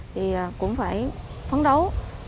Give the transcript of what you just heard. thì cũng phải phấn đấu